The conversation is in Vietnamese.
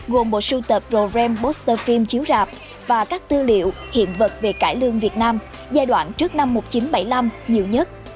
gồm bộ sưu tập rem poster phim chiếu rạp và các tư liệu hiện vật về cải lương việt nam giai đoạn trước năm một nghìn chín trăm bảy mươi năm nhiều nhất